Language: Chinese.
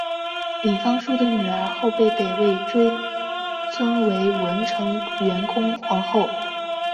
李方叔的女儿后被北魏追尊为文成元恭皇后。